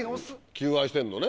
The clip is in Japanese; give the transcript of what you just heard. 求愛してんのね。